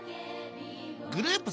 グループ